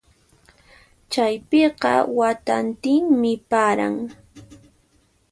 Chaypiqa watantinmi paran.